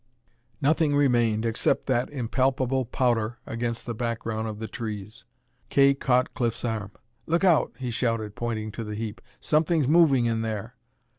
Nothing remained, except that impalpable powder against the background of the trees. Kay caught Cliff's arm. "Look out!" he shouted, pointing to the heap. "Something's moving in there!"